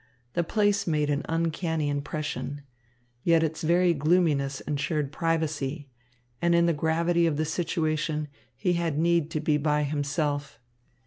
The place made an uncanny impression. Yet its very gloominess insured privacy; and in the gravity of the situation he had need to be by himself.